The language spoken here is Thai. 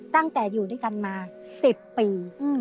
ตั้งแต่อยู่ด้วยกันมา๑๐ปี